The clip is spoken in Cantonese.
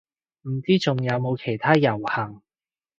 唔知仲有冇其他遊行